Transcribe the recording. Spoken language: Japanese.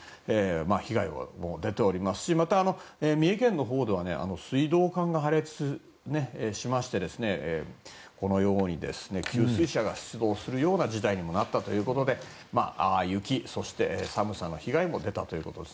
被害が出ておりますし三重県のほうでは水道管が破裂しましてこのように給水車が出動するような事態にもなったということで雪、そして寒さの被害も出たということです。